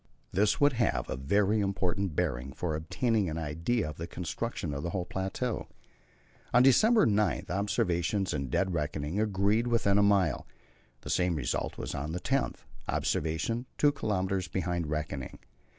This would have a very important bearing for obtaining an idea of the construction of the whole plateau. On December 9 observations and dead reckoning agreed within a mile. The same result again on the 10th: observation 2 kilometres behind reckoning.